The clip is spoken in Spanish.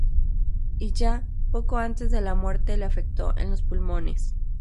Y ya poco antes de la muerte le afectó en los pulmones.